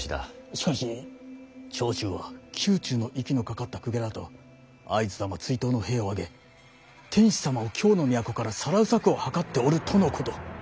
しかし長州は宮中の息のかかった公家らと会津様追討の兵を挙げ天子様を京の都からさらう策を謀っておるとのこと。